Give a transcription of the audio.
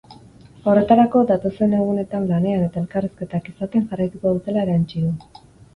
Horretarako, datozen egunetan lanean eta elkarrizketak izaten jarraituko dutela erantsi du.